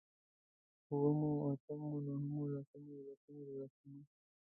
اوومو، اتمو، نهمو، لسمو، يوولسمو، دوولسمو